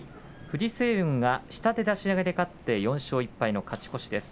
藤青雲が下手出し投げで勝って４勝１敗の勝ち越しです。